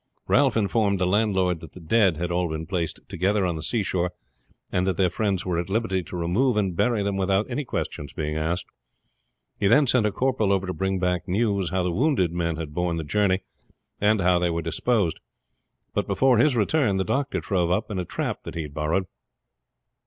Ralph informed the landlord that the dead had all been placed together on the seashore, and that their friends were at liberty to remove and bury them without any questions being asked. He then sent a corporal over to bring back news how the wounded men had borne the journey, and how they were disposed. But before his return the doctor drove up in a trap that he had borrowed.